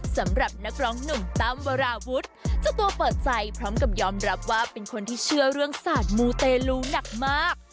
สำหรับนักร้องหนุ่มตั้มวราวุฒิเจ้าตัวเปิดใจพร้อมกับยอมรับว่าเป็นคนที่เชื่อเรื่องศาสตร์มูเตลูหนักมาก